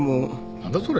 何だそれ。